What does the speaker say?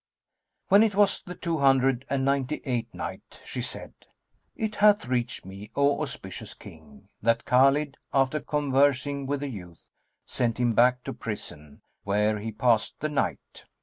When it was the Two Hundred and Ninety eighth Night, She said, It hath reached me, O auspicious King, that Khбlid, after conversing with the youth, sent him back to prison, where he passed the night.